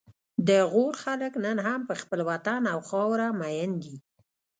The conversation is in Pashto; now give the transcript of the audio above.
د غور خلک نن هم په خپل وطن او خاوره مین دي